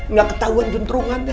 nggak ketahuan jentrungannya